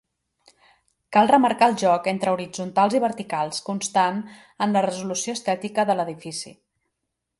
Cal remarcar el joc entre horitzontals i verticals constant en la resolució estètica de l'edifici.